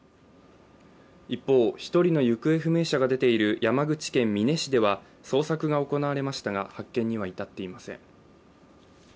一方、１人の行方不明者が出ている山口県美祢市では捜索が行われましたが発見には至っていません。